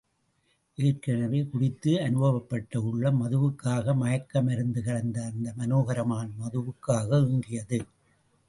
ஏற்கெனவே, குடித்து அனுபவப்பட்ட உள்ளம் மதுவுக்காக மயக்க மருந்து கலந்த அந்த மனோகரமான மதுவுக்காக ஏங்கியது.